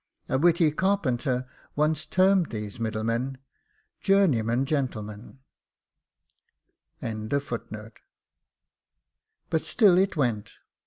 A witty carpenter once termed these middlemen JOURNEYMEN GENTLEMEN. But still it went.